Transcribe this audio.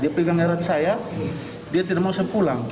dia pegang erat saya dia tidak mau saya pulang